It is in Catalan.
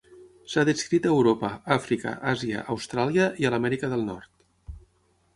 S'ha descrit a Europa, Àfrica, Àsia, Austràlia i a l'Amèrica del Nord.